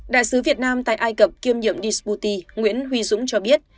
đại sứ việt nam tại ai cập kiêm nhiệm dysbouti nguyễn huy dũng cho biết